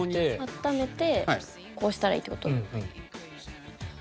温めてこうしたらいいって事？